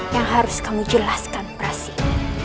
yang harus kamu jelaskan prasi